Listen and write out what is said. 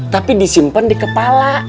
tapi disimpen di kepala